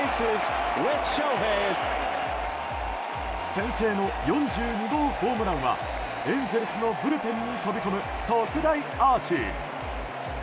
先制の４２号ホームランはエンゼルスのブルペンに飛び込む特大アーチ。